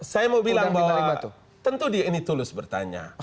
saya mau bilang bahwa tentu dia ini tulus bertanya